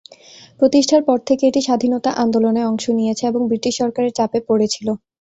প্রতিষ্ঠার পর থেকে এটি স্বাধীনতা আন্দোলনে অংশ নিয়েছে এবং ব্রিটিশ সরকারের চাপে পড়েছিল।